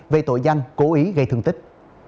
về tội gian cố ý gây thương tích